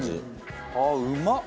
ああうまっ！